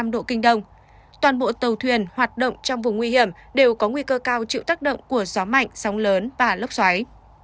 một trăm linh độ kinh đông toàn bộ tàu thuyền hoạt động trong vùng nguy hiểm đều có nguy cơ cao chịu tác động của gió mạnh sóng lớn và lốc xoáy